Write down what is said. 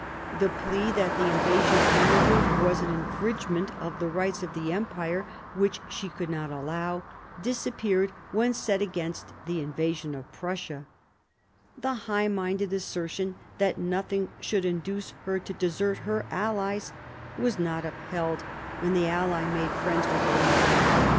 The plea that the invasion of Hanover was an infringement of the rights of the empire which she could not allow, disappeared when set against the invasion of Prussia. The high minded assertion that nothing should induce her to desert her allies was not upheld when the ally made 1766 7 CHANGE OF ALLIANCES 121 friends with her enemy.